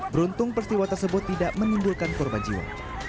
beruntung peristiwa tersebut tidak menimbulkan korban jiwa